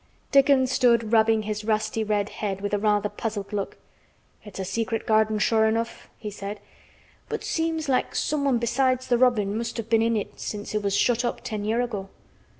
Dickon stood rubbing his rusty red head with a rather puzzled look. "It's a secret garden sure enough," he said, "but seems like someone besides th' robin must have been in it since it was shut up ten year' ago."